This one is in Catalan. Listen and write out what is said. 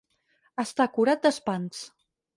Estar curat d'espants.